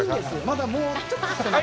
まだもうちょっとしたら。